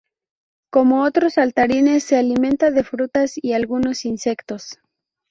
Como otros saltarines se alimenta de frutas y algunos insectos.